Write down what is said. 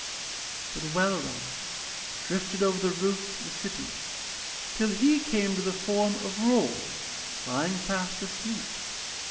But Welleran drifted over the roofs of the city till he came to the form of Rold lying fast asleep.